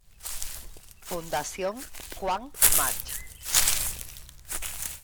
Fundación Juan March.